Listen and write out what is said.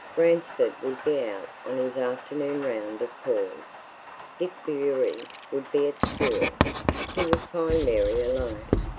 Ransford would be out on his afternoon round of calls; Dick Bewery would be at school; he would find Mary alone.